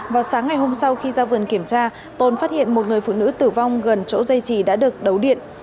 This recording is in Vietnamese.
vào sáng ngày hôm sau khi ra vườn kiểm tra tồn phát hiện một người phụ nữ tử vong gần chỗ dây trì đã được đấu điện